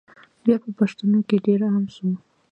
بیا په پښتنو کي ډېر عام سو